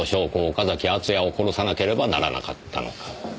岡崎敦也を殺さなければならなかったのか。